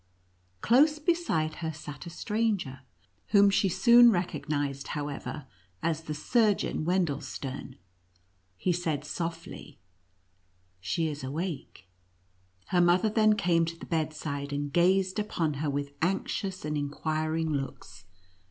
Close beside her sat a stranger, whom she soon recognized, however, as the Surgeon Wendelstern. He said softly, " She is awake !" Her mother then came to the bedside, and gazed upon her with anxious and inquiring looks.